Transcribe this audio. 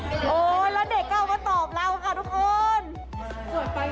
โอ้โหแล้วเด็กก็เอามาตอบเราค่ะทุกคนสวยไป